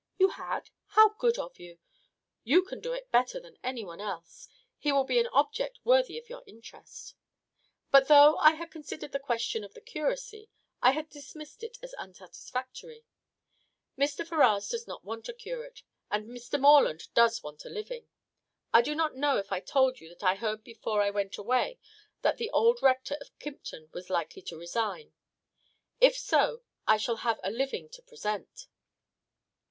"You had? How good of you. You can do it better than anyone else. He will be an object worthy of your interest." "But though I had considered the question of the curacy, I had dismissed it as unsatisfactory. Mr. Ferrars does not want a curate, and Mr. Morland does want a living. I do not know if I told you that I heard before I went away that the old Rector of Kympton was likely to resign. If so, I shall have a living to present."